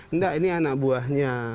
enggak ini anak buahnya